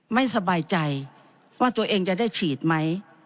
ไม่สบายใจว่าตัวเองจะได้ฉีดไหม